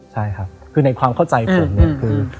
ใช่ครับคือในความเข้าใจผมเนี่ยคือ